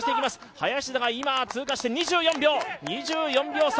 林田が今、通過して２４秒差。